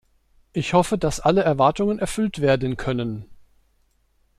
Ich hoffe, dass alle Erwartungen erfüllt werden können.